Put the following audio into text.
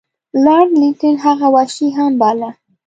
لارډ لیټن هغه وحشي هم باله.